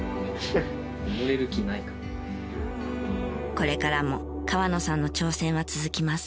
これからも河野さんの挑戦は続きます。